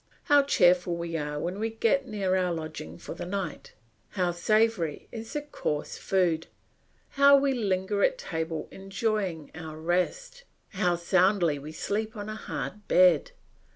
How cheerful we are when we get near our lodging for the night! How savoury is the coarse food! How we linger at table enjoying our rest! How soundly we sleep on a hard bed!